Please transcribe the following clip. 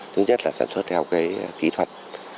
thứ nhất là sản xuất theo kỹ thuật